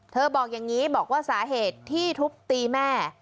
บอกอย่างนี้บอกว่าสาเหตุที่ทุบตีแม่